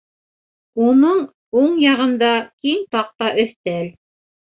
Уның уң яғында киң таҡта өҫтәл.